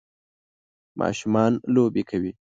ماشومان لوبی کوی.